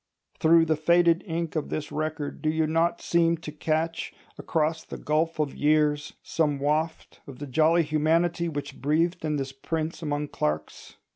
Through the faded ink of this record do you not seem to catch, across the gulf of years, some waft of the jolly humanity which breathed in this prince among clerks?